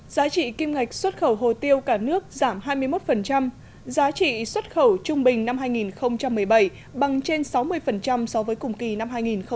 giá trị kim ngạch xuất khẩu hồ tiêu cả nước giảm hai mươi một giá trị xuất khẩu trung bình năm hai nghìn một mươi bảy bằng trên sáu mươi so với cùng kỳ năm hai nghìn một mươi bảy